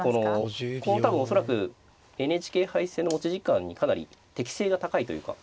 この多分恐らくＮＨＫ杯戦の持ち時間にかなり適性が高いというか。